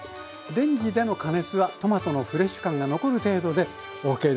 レンジでの加熱はトマトのフレッシュ感が残る程度でＯＫです。